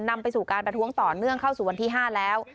นำไปสู่การประท้วงต่อเนื่องเข้าสู่วันที่๕แล้ว